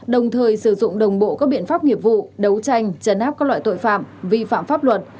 đồng thời sử dụng đồng bộ các biện pháp nghiệp vụ đấu tranh chấn áp các loại tội phạm vi phạm pháp luật